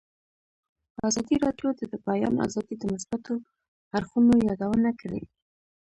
ازادي راډیو د د بیان آزادي د مثبتو اړخونو یادونه کړې.